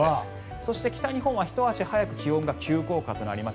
そして北日本はひと足早く気温が急降下となります。